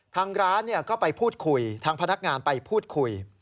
ทางร้านก็ไปพูดคุยทางพนักงานไปพูดคุย